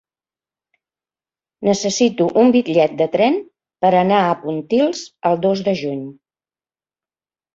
Necessito un bitllet de tren per anar a Pontils el dos de juny.